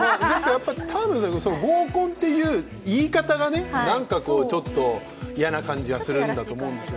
合コンという言い方がね、なんかちょっと嫌な感じはするんだと思うんですよ。